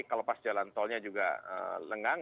kalau pas jalan tolnya juga lengang